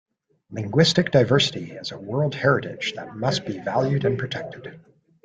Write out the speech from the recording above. Linguistic diversity is a world heritage that must be valued and protected.